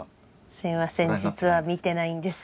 すみません実は見てないんです。